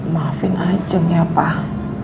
maafin aja jem ya pak